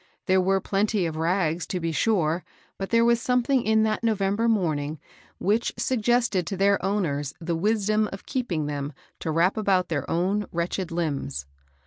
There were plenty of raga^ to be sure, but there was something in that Novem 190 MABEL BOSS, ber morning which su^ested to their owners the wisdom of keeping them to wrap about their own wretched limbs.